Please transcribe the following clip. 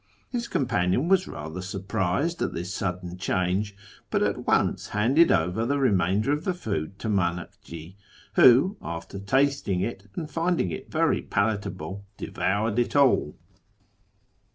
His companion was rather surprised at this sudden change, but at once handed over the remainder of the food to Mdnakji, who, after tasting it and finding it very palatable, devoured it all.